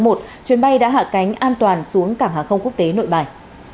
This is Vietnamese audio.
chuyến bay đã hạ cánh an toàn xuống cảng hàng không quốc tế nội bài